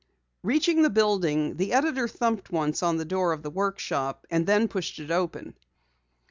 Reaching the building, the editor thumped once on the door of the workshop and then pushed it open.